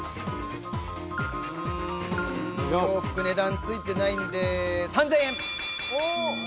洋服値段ついてないので、３０００円！